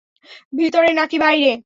ভিতরে নাকি বাইরে?